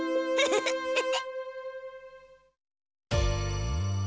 フフフフ！